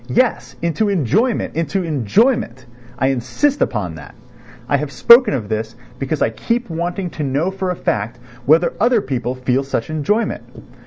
Yes, into enjoyment, into enjoyment! I insist upon that. I have spoken of this because I keep wanting to know for a fact whether other people feel such enjoyment?